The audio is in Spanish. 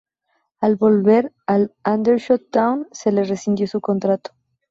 Al volver al Aldershot Town, se le rescindió su contrato.